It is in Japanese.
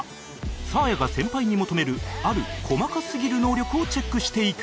サーヤが先輩に求めるある細かすぎる能力をチェックしていく